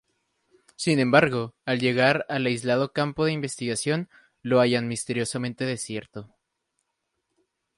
Sin embargo, al llegar al aislado campo de investigación, lo hallan misteriosamente desierto.